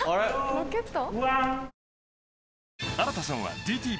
ロケット？